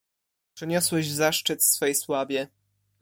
"Przyniosłeś zaszczyt swej sławie!"